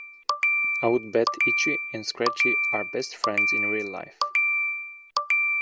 I would bet Itchy and Scratchy are best friends in real life.